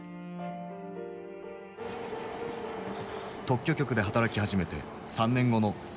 特許局で働き始めて３年後の１９０５年。